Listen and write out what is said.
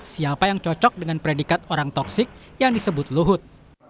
siapa yang cocok dengan predikat orang toksik yang disebut luhut